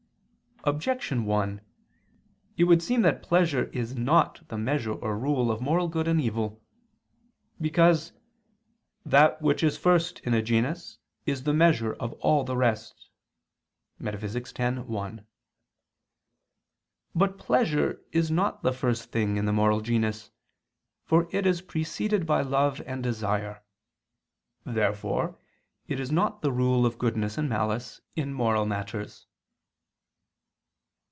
Objection 1: It would seem that pleasure is not the measure or rule of moral good and evil. Because "that which is first in a genus is the measure of all the rest" (Metaph. x, 1). But pleasure is not the first thing in the moral genus, for it is preceded by love and desire. Therefore it is not the rule of goodness and malice in moral matters.